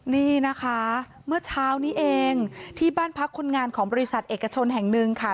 นี่นะคะเมื่อเช้านี้เองที่บ้านพักคนงานของบริษัทเอกชนแห่งหนึ่งค่ะ